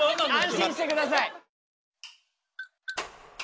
安心してください。